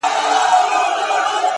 • هغې ويل اور ـ